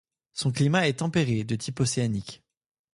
Son climat est tempéré, de type océanique.